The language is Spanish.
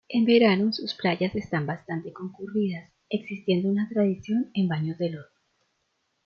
En verano sus playas están bastante concurridas, existiendo una tradición en baños de lodo.